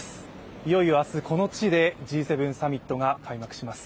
いよいよ明日、この地でＧ７サミットが開幕します。